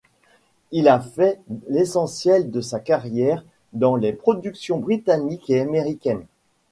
Il a fait l'essentiel de sa carrière dans des productions britanniques et américaines.